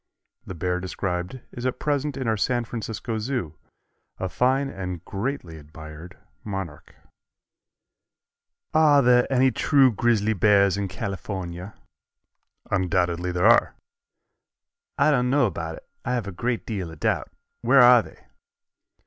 The bear described is at present in our San Francisco Zoo, a fine and greatly admired monarch. "Are there any true grizzly bears in California?" "Undoubtedly there are." "I don't know about it. I have a great deal of doubt. Where are they?"